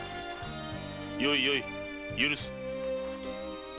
よいよい許す！